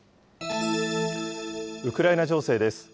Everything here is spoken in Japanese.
ウクライナ情勢です。